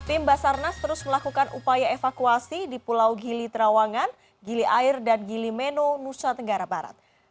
tim basarnas terus melakukan upaya evakuasi di pulau gili terawangan gili air dan gili meno nusa tenggara barat